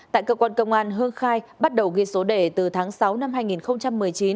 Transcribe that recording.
tại cơ quan công an hương khai bắt đầu ghi số đề từ tháng sáu năm hai nghìn một mươi chín